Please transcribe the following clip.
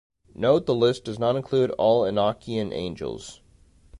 Note the list does not include all Enochian angels.